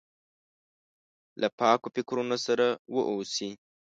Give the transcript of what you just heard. له پاکو فکرونو سره واوسي.